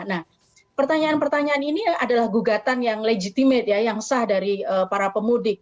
nah pertanyaan pertanyaan ini adalah gugatan yang legitimate ya yang sah dari para pemudik